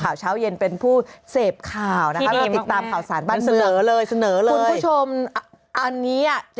คำคิดของ็จริงจัง